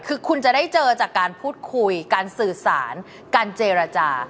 คือคุณจะได้เจอจากการพูดคุยการสื่อสารการเจรจา